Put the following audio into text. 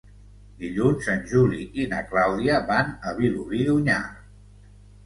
Dilluns en Juli i na Clàudia van a Vilobí d'Onyar.